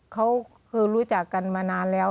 เขาคือรู้จักกันมานานแล้ว